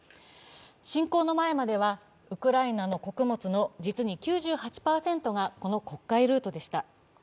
侵攻の前まではウクライナの穀物の、実に９８％がこの黒海ルートでした。